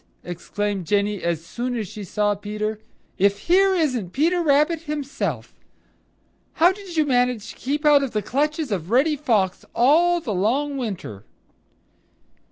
exclaimed Jenny as soon as she saw Peter. "If here isn't Peter Rabbit himself! How did you manage to keep out of the clutches of Reddy Fox all the long winter?"